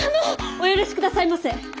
お許しくださいませ！